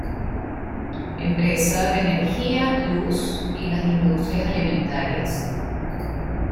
Empresa de energía, luz y las industrias alimentarias.